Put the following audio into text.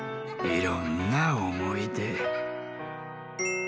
いろんなおもいで。